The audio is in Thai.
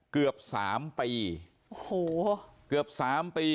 เกือบ๓ปี